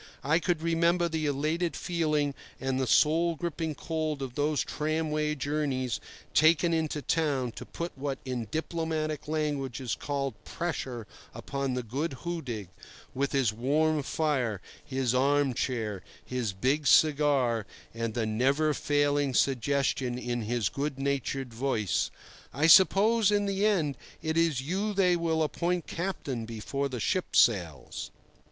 I could remember the elated feeling and the soul gripping cold of those tramway journeys taken into town to put what in diplomatic language is called pressure upon the good Hudig, with his warm fire, his armchair, his big cigar, and the never failing suggestion in his good natured voice: "I suppose in the end it is you they will appoint captain before the ship sails?"